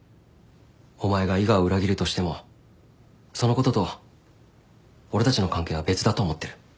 お前が伊賀を裏切るとしてもそのことと俺たちの関係は別だと思ってる。